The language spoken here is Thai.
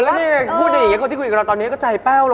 เออแล้วเนี่ยพูดอย่างเงี้ยคนที่คุยกับเราตอนนี้ก็ใจเป้าลงมา